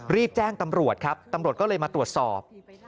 รีบแจ้งตำรวจครับตำรวจก็เลยมาตรวจสอบ